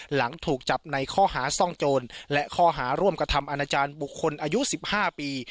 หลังถูกจับในข้อหาซ่องโจรและข้อหาร่วมกระทำอาณาจารย์บุคคลอายุ๑๕ปี